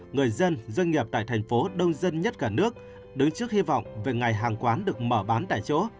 người dân doanh nghiệp tại tp hcm đứng trước hy vọng về ngày hàng quán được mở bán tại chỗ